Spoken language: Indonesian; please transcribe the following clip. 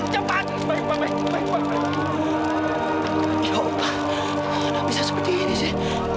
ya pak gak bisa seperti ini sih